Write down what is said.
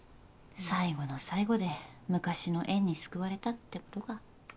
最後の最後で昔の縁に救われたってことか。